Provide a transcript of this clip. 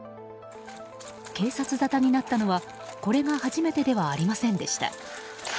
警察沙汰になったのは、これが初めてではありませんでした。